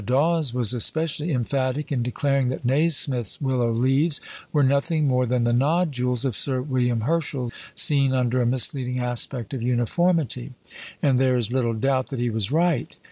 Dawes was especially emphatic in declaring that Nasmyth's "willow leaves" were nothing more than the "nodules" of Sir William Herschel seen under a misleading aspect of uniformity; and there is little doubt that he was right.